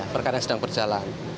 perkara yang sedang berjalan